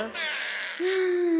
うん。